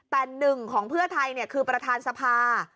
แต่๑ของเพื่อไทยคือประธานทรภา